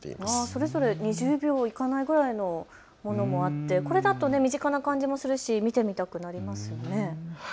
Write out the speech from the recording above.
それぞれ２０秒いかないくらいものもあってこれだと身近な感じもするし見てみたくなりますね。